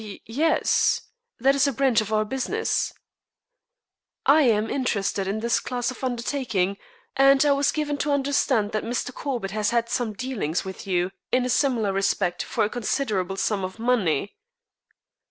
"Y yes. That is a branch of our business." "I am interested in this class of undertaking, and I was given to understand that Mr. Corbett has had some dealings with you in a similar respect for a considerable sum of money."